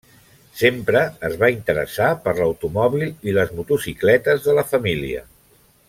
Sempre es va interessar per l'automòbil i les motocicletes de la família.